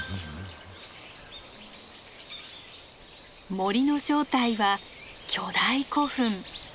森の正体は巨大古墳。